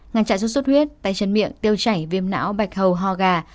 ngàn trại sốt xuất huyết tay chân miệng tiêu chảy viêm não bạch hầu ho gà